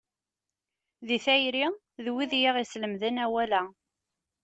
Deg tayri, d wid i aɣ-islemden awal-a.